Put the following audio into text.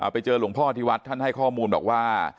ไปเจอหลวงพ่อที่วัดท่านให้ข้อมูลบอกว่า